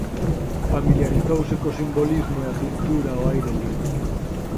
Familiarizouse co simbolismo e a pintura ao aire libre.